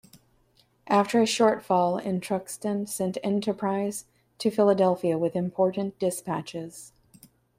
After a short fall in Truxtun sent "Enterprise" to Philadelphia with important dispatches.